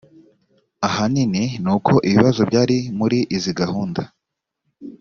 ahanini n uko ibibazo byari muri izi gahunda